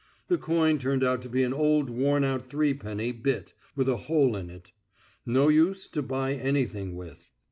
The coin turned out to be an old worn out threepenny bit with a hole in it. No use to buy anything with.